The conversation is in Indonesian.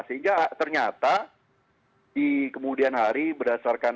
sehingga ternyata di kemudian hari berdasarkan